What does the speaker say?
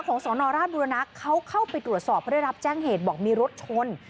สอนอราชบุรณะเขาเข้าไปตรวจสอบเพราะได้รับแจ้งเหตุบอกมีรถชน